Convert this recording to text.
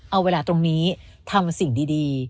เอาเวลาตรงนี้ทำสิ่งดี